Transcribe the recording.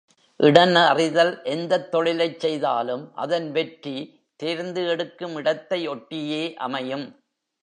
இடன் அறிதல் எந்தத் தொழிலைச் செய்தாலும் அதன் வெற்றி, தேர்ந்து எடுக்கும் இடத்தை ஒட்டியே அமையும்.